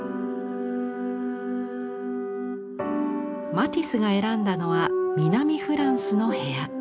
マティスが選んだのは南フランスの部屋。